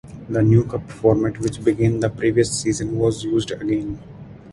The new cup format which began the previous season was used again.